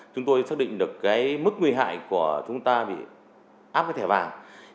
chúng tôi xác định được mức nguy hại của chúng ta vì áp cái thẻ bảng